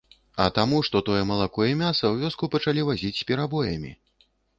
А таму, што тое малако і мяса ў вёску пачалі вазіць з перабоямі.